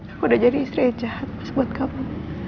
aku udah jadi istri yang jahat pas buat kamu